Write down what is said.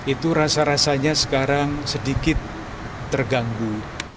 itu rasa rasanya sekarang sedikit terganggu